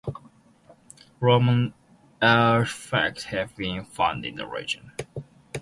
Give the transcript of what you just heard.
Roman artefacts have been found in the region.